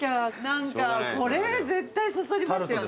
何かこれ絶対そそりますよね。